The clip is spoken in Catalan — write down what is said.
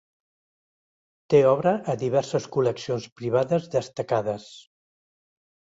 Té obra a diverses col·leccions privades destacades.